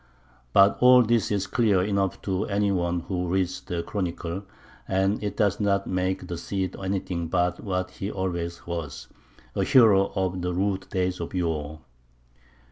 But all this is clear enough to any one who reads the Chronicle, and it does not make the Cid anything but what he always was a hero of the rude days of yore.